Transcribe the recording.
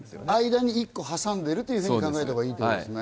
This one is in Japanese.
間に１個はさんでいると考えたほうがいいわけですね。